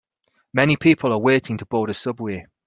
Many people are waiting to board a subway.